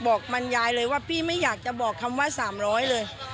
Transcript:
บอกบรรยายเลยว่าพี่ไม่อยากจะบอกคำว่า๓๐๐เลย